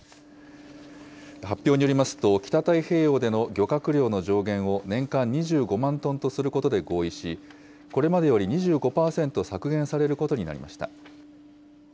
発表によりますと、北太平洋での漁獲量の上限を年間２５万トンとすることで合意し、これまでより２５％削減されることになりました。